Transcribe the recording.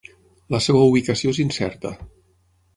La seva ubicació és incerta.